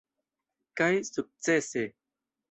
Kaj sukcese!